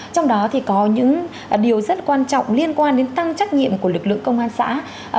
trong đó thì có những điều rất quan trọng liên quan đến tăng trách nhiệm của lực lượng công an xã